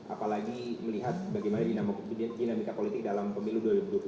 apalagi melihat bagaimana dinamika politik dalam pemilu dua ribu dua puluh empat